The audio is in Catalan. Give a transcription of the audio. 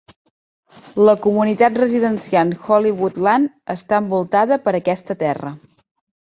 La comunitat residencial Hollywoodland està envoltada per aquesta terra.